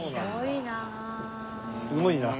すごいなあ。